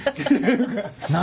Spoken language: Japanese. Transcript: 何？